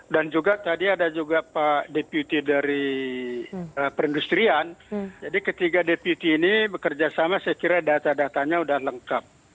dan juga tadi ada juga pak deputi dari perindustrian jadi ketiga deputi ini bekerjasama saya kira data datanya sudah lengkap